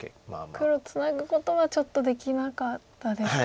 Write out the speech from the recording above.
黒ツナぐことはちょっとできなかったですか。